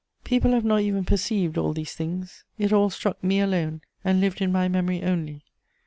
People have not even perceived all these things; it all struck me alone and lived in my memory only.